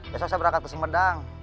besok saya berangkat ke sumedang